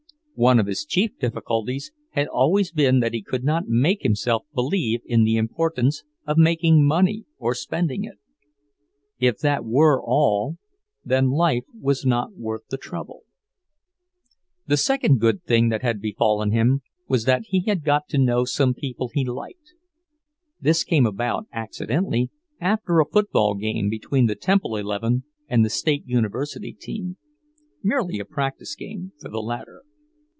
One of his chief difficulties had always been that he could not make himself believe in the importance of making money or spending it. If that were all, then life was not worth the trouble. The second good thing that had befallen him was that he had got to know some people he liked. This came about accidentally, after a football game between the Temple eleven and the State University team merely a practice game for the latter.